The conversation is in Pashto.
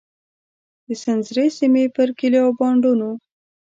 د سنځري سیمې پر کلیو او بانډونو.